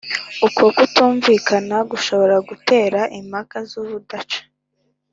uko kutumvikana gushobora gutera impaka z’urudaca,